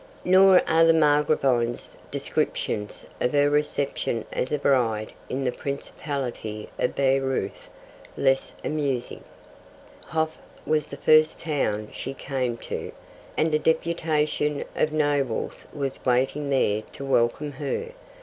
Nor are the Margravine's descriptions of her reception as a bride in the principality of Baireuth less amusing. Hof was the first town she came to, and a deputation of nobles was waiting there to welcome her.